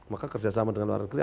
maka kerja sama dengan luar negeri